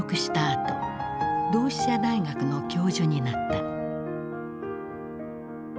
あと同志社大学の教授になった。